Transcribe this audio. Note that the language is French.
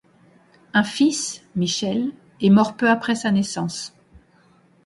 Un fils, Michel, est mort peu après sa naissance.